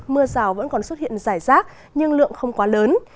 mưa rào vẫn còn xuất hiện rải rác nhưng lượng không quá lớn